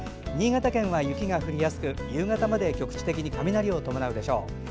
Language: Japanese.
新潟県は雪が降りやすく夕方まで局地的に雷を伴うでしょう。